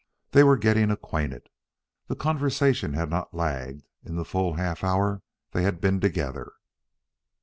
They were getting acquainted. The conversation had not lagged in the full half hour they had been together.